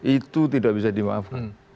itu tidak bisa dimaafkan